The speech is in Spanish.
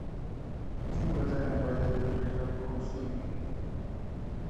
Se encuentra en el valle del río Cousin.